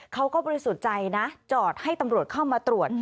บริสุทธิ์ใจนะจอดให้ตำรวจเข้ามาตรวจ